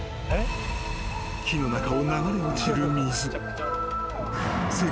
木の中を流れ落ちる水。